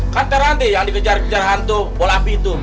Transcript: kan tera ranti yang dikejar kejar hantu bola api itu